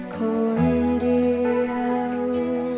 คนเดียว